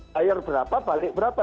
daya berapa balik berapa